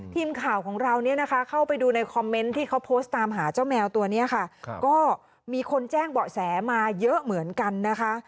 ทีมข่าวของเราเนี่ยนะคะเข้าไปดูในคอมเมนต์ที่เขาโพสต์ตามหาเจ้าแมวตัวนี้ค่ะก็มีคนแจ้งเบาะแสมาเยอะเหมือนกันนะคะ